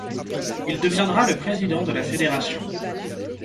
Il deviendra le président de la fédération.